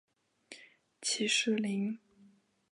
起士林。